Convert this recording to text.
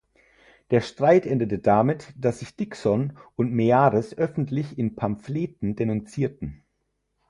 Der Streit endete damit, dass sich Dixon und Meares öffentlich in Pamphleten denunzierten.